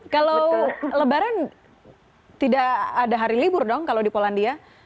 kalau lebaran tidak ada hari libur dong kalau di polandia